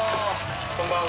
こんばんは。